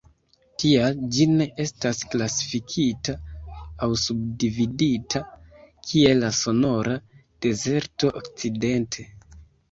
Tial, ĝi ne estas klasifikita aŭ subdividita, kiel la Sonora-Dezerto okcidente.